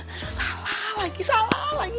ada salah lagi salah lagi